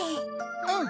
うん！